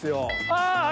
ああ！